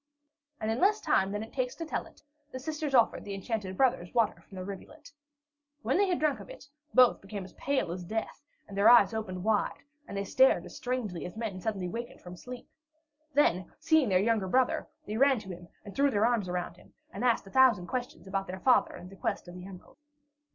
And in less time than it takes to tell it, the sisters offered the enchanted brothers water from the rivulet. When they had drunk of it, both the brothers became pale as death, their eyes opened wide, and they stared as strangely as men suddenly waked from sleep. Then, seeing their younger brother, they ran to him and threw their arms about him, and asked a thousand questions about their father and the quest of the emerald.